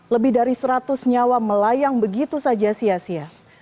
lebih dari seratus nyawa melayang begitu saja sia sia